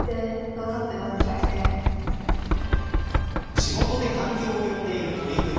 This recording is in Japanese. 地元で反響を呼んでいる取り組み。